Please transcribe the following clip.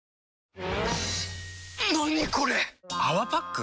何これ⁉「泡パック」？